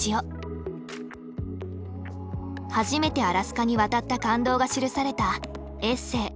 初めてアラスカに渡った感動が記されたエッセイ